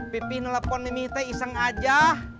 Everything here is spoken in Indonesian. pipi nelfon mimi teh iseng aja